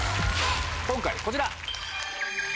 今回こちら！